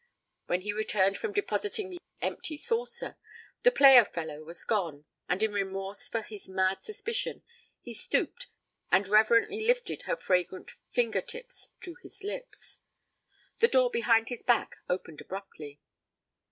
When he returned from depositing the empty saucer, the player fellow was gone, and in remorse for his mad suspicion he stooped and reverently lifted her fragrant finger tips to his lips. The door behind his back opened abruptly.